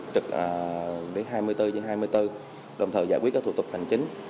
trực hai mươi bốn trên hai mươi bốn đồng thời giải quyết các thủ tục hành chính